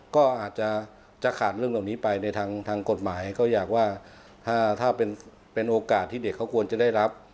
ก็อาจจะจะขาดเรื่องตรงนี้ไปในทางทางกฎหมายก็อยากว่าถ้าถ้าเป็นเป็นโอกาสที่เด็กเขากวนจะได้รับ